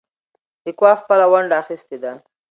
لیکوال خپله ونډه اخیستې ده.